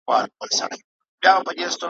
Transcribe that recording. د سندرغاړو لپاره `